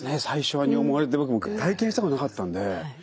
最初は尿漏れって僕も体験したことなかったんで。